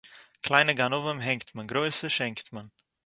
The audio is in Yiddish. קליינע גנבֿים הענגט מען, גרויסע שענקט מען.